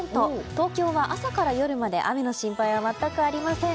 東京は朝から夜まで雨の心配は全くありません。